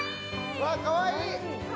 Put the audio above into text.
うわっかわいい！